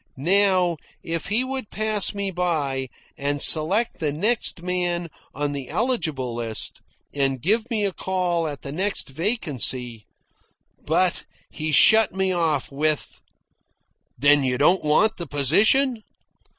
Now, if he would pass me by and select the next man on the eligible list and give me a call at the next vacancy But he shut me off with: "Then you don't want the position?"